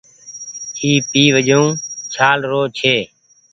اي پي وجون ڇآل رو ڇي ۔